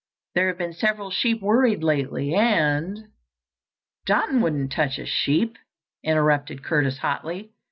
There have been several sheep worried lately, and—" "Don wouldn't touch a sheep!" interrupted Curtis hotly.